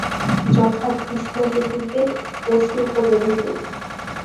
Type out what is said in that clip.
যথা: কৃষ্ণ যজুর্বেদ ও শুক্ল যজুর্বেদ।